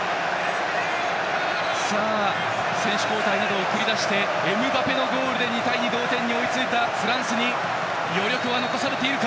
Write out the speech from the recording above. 選手交代などを繰り出してエムバペのゴールなどで２対２の同点に追いついたフランスに余力は残されているか。